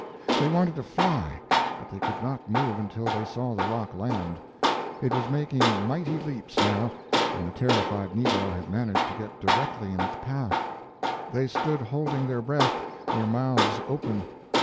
They wanted to fly, but they could not move until they saw the rock land. It was making mighty leaps now, and the terrified negro had managed to get directly in its path. They stood holding their breath, their mouths open.